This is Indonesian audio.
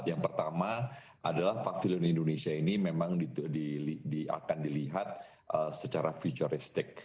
yang pertama adalah pavilion indonesia ini memang akan dilihat secara futuristik